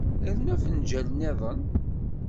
Rnu afenǧal niḍen.